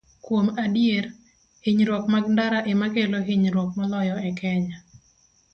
Kuom adier, hinyruok mag ndara ema kelo hinyruok moloyo e Kenya.